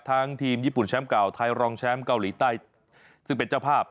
ทีมญี่ปุ่นแชมป์เก่าไทยรองแชมป์เกาหลีใต้ซึ่งเป็นเจ้าภาพ